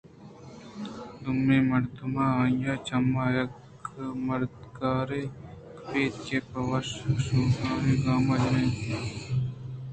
دومی دمان ءَ آئی ءِ چم یک مردکارے ءَ کپت اَنت کہ پہ وش وشوکانی گام جناں ماڑی ءِ درءَپدّر بوت